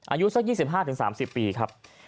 อายุสัก๒๕๓๐ปีครับ